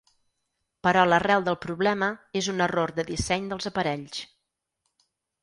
Però l’arrel del problema és un error de disseny dels aparells.